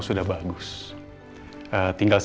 juga lebih antar yang lain